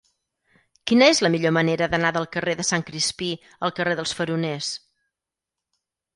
Quina és la millor manera d'anar del carrer de Sant Crispí al carrer dels Faroners?